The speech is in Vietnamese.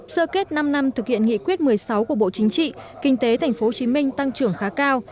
sơ kết năm năm thực hiện nghị quyết một mươi sáu của bộ chính trị kinh tế tp hcm tăng trưởng khá cao